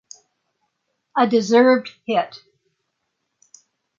A deserved hit.